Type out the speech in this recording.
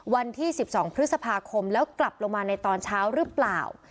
วันที่๑๒พฤษภาคมแล้วกลับลงมาในตอนเช้าหรือเปล่า